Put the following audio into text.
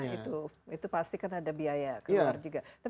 nah itu itu pasti kan ada biaya keluar juga